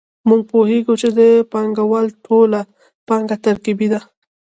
موږ پوهېږو چې د پانګوال ټوله پانګه ترکیبي ده